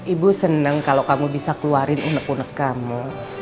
ibu seneng kalau kamu bisa keluarin unek unek kamu